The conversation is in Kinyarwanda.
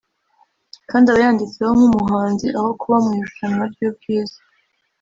kandi aba yanditsweho nk’umuhanzi aho kuba mu irushanwa ry’ubwiza